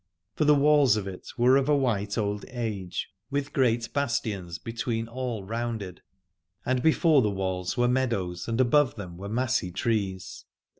For the walls of it were of a white old age, with great bastions between all rounded, and before the walls were meadows and above them were massy trees.